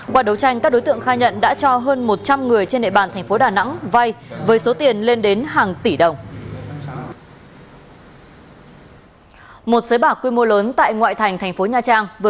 qua đấu tranh các đối tượng khai nhận đã cho hơn một trăm linh người trên nệ bàn thành phố đà nẵng vay với số tiền lên đến hàng tỷ đồng